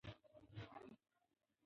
د ورزش ډول د فایبرونو ډول پورې تړاو لري.